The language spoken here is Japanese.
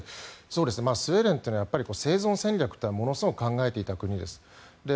スウェーデンというのは生存戦略というのをものすごく考えていた国です。